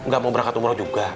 gak mau berangkat umroh juga